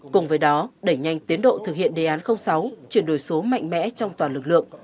cùng với đó đẩy nhanh tiến độ thực hiện đề án sáu chuyển đổi số mạnh mẽ trong toàn lực lượng